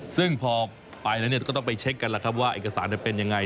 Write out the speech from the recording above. ซึ่งพอไปแล้วก็ต้องไปเช็คกันแล้วครับว่าเอกสารเป็นยังไง